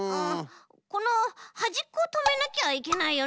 このはじっこをとめなきゃいけないよね。